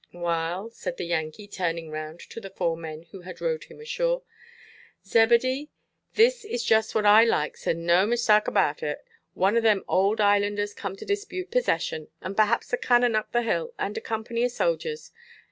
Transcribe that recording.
"Waal," said the Yankee, turning round to the four men who had rowed him ashore; "Zebedee, this is just what I likes, and no mistark about it. One of them old islanders come to dispute possession. And perhaps a cannon up the hill, and a company of sojers.